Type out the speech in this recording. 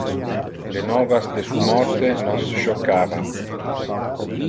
Le novas de su morte nos choccava.